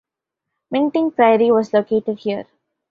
Minting Priory was located here.